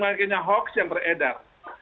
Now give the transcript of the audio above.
makanya hoax yang beredar